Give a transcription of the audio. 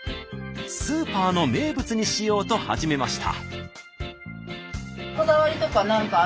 スーパーの名物にしようと始めました。